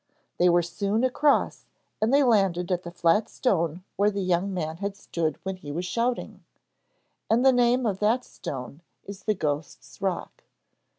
They were soon across and they landed at the flat stone where the young man had stood when he was shouting, and the name of that stone is the Ghost's Rock.